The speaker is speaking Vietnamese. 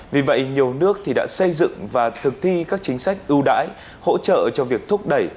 vì vậy nhiều nước đã xây dựng và thực thi các chính sách ưu đãi hỗ trợ cho việc thúc đẩy